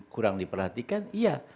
kurang diperhatikan iya